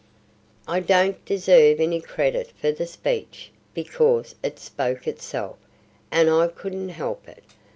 "I don't deserve any credit for the speech, because it spoke itself, and I couldn't help it.